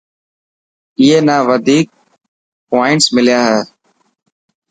اي نا وڌيڪ پووانٽس مليا هي.